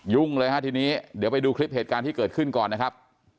ยุ่งเลยแหละทีนี้จะไปดูคลิปเหตุการณ์ที่เกิดขึ้นก่อนนะครับ